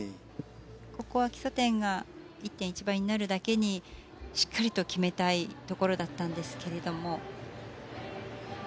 ここは基礎点が１．１倍になるだけにしっかりと決めたいところだったんですけれども。